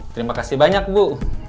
terima kasih banyak bu